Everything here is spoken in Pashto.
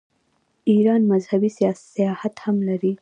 ایران مذهبي سیاحت هم لري.